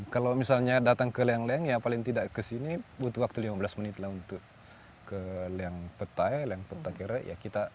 kalau misalnya datang ke leang leang ya paling tidak ke sini butuh waktu lima belas menit lah untuk ke leang petai leang peta kerek ya